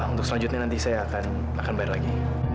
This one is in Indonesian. untuk selanjutnya nanti saya akan bayar lagi